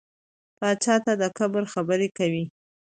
پاچا تل د کبر خبرې کوي .